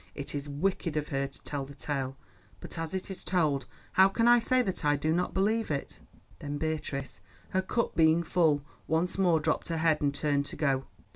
It is wicked of her to tell the tale; but as it is told, how can I say that I do not believe it?" Then Beatrice, her cup being full, once more dropped her head, and turned to go.